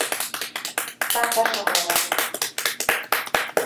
Bandas sonoras